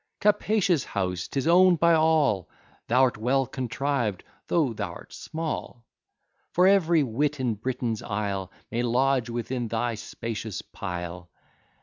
Capacious house! 'tis own'd by all Thou'rt well contrived, tho' thou art small: For ev'ry Wit in Britain's isle May lodge within thy spacious pile.